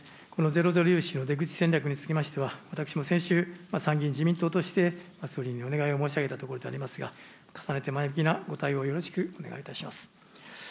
ゼロゼロ融資の出口戦略につきましては、私も先週、参議院自民党として、総理にお願いを申し上げたところでありますが、重ねて前向きなご対応、よろしくお願いいたします。